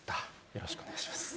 よろしくお願いします。